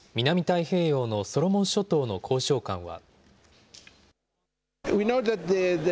太平洋のソロモン諸島の交渉官は。